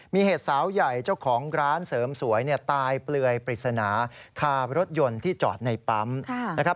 มีเหตุสาวใหญ่เจ้าของร้านเสริมสวยตายเปลือยปริศนาคารถยนต์ที่จอดในปั๊มนะครับ